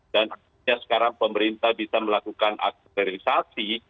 dan sehingga sekarang pemerintah bisa melakukan aktualisasi